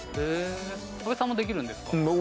阿部さんもできるんですか？